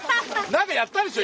何かやったでしょ